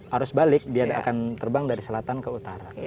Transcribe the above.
harus balik dia akan terbang dari selatan ke utara